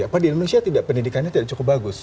apa di indonesia tidak pendidikannya tidak cukup bagus